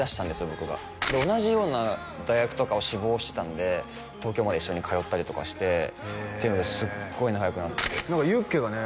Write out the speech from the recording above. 僕が同じような大学とかを志望してたんで東京まで一緒に通ったりとかしてっていうのですごい仲良くなってユッケがね